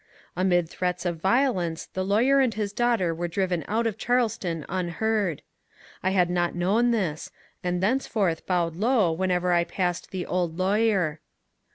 Amid threats of violence the lawyer and his daughter were driven out of Charleston unheard. I had not known this, and thenceforth bowed low whenever I passed the old lawyer.